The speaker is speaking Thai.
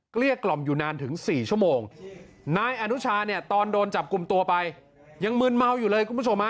เกี้ยกล่อมอยู่นานถึง๔ชั่วโมงนายอนุชาเนี่ยตอนโดนจับกลุ่มตัวไปยังมืนเมาอยู่เลยคุณผู้ชมฮะ